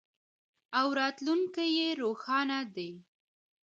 او راتلونکی یې روښانه دی.